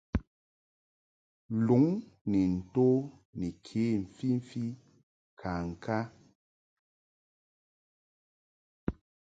Luŋ ni nto ni ke mfimfi ŋkaŋka.